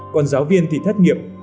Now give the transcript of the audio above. còn giáo viên thì thất nghiệp